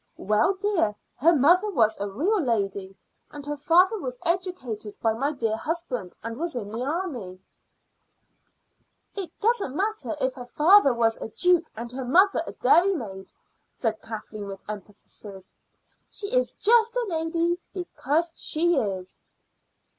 "Well, dear, her mother was a real lady; and her father was educated by my dear husband, and was in the army." "It doesn't matter if her father was a duke and her mother a dairymaid," said Kathleen with emphasis. "She is just a lady because she is."